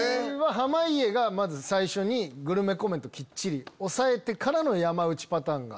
濱家が最初にグルメコメントきっちり押さえてからの山内パターンが。